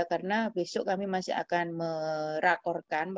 karena besok kami masih akan merakorkan